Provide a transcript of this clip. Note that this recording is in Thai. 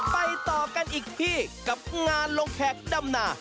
ไปต่อกันอีกที่กับงานลงแขกดำนา